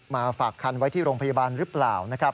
ฝากคันไว้ที่โรงพยาบาลหรือเปล่านะครับ